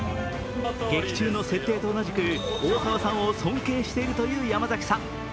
劇中の設定と同じく大沢さんを尊敬しているという山崎さん。